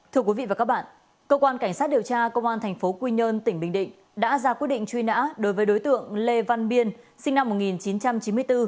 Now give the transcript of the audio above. thưa quý vị và các bạn cơ quan cảnh sát điều tra công an tp quy nhơn tỉnh bình định đã ra quyết định truy nã đối với đối tượng lê văn biên sinh năm một nghìn chín trăm chín mươi bốn